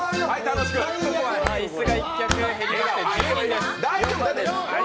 椅子が１脚減りまして１０人です。